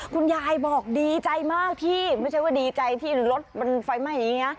คุณยายบอกดีใจมากที่ไม่ใช่ว่าดีใจที่รถมันไฟไหม้อย่างนี้นะ